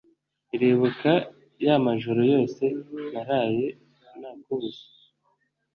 iribuka yamajoro yose naraye nakubuze